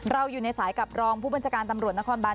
อยู่ในสายกับรองผู้บัญชาการตำรวจนครบาน